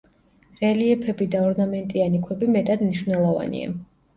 რელიეფები და ორნამენტიანი ქვები მეტად მნიშვნელოვანია.